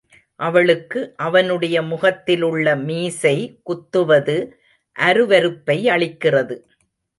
அவளுக்கு அவனுடைய முகத்திலுள்ள மீசை குத்துவது அருவருப்பை அளிக்கிறது.